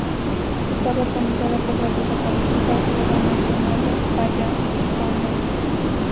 Estaba organizada por la desaparecida "Lega Nazionale Pallacanestro".